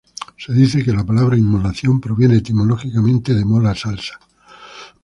Se dice que la palabra inmolación proviene etimológicamente de "mola salsa